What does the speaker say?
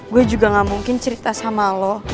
gue juga gak mungkin cerita sama lo